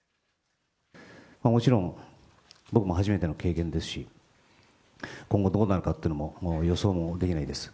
もちろん僕も初めての経験ですし、今後、どうなるかっていうのも予想もできないです。